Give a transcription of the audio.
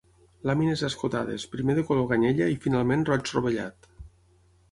Làmines escotades, primer de color canyella i finalment roig rovellat.